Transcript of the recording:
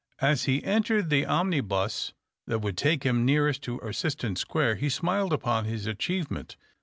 As he entered the omnibus that would take him nearest to Erciston Square, he smiled upon his achievement.